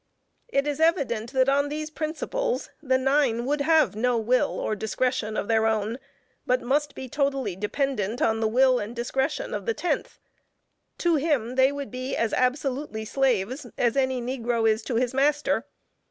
It is evident that on these principles, the nine would have no will or discretion of their own, but must be totally dependent on the will and discretion of the tenth; to him they would be as absolutely slaves as any negro is to his master.